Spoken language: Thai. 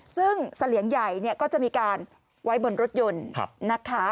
ซึ่งเสลียงใหญ่ก็จะมีการไว้บนรถยนต์นะคะ